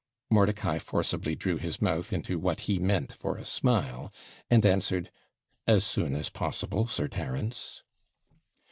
Mordicai forcibly drew his mouth into what he meant for a smile, and answered, 'As soon as possible, Sir Terence.'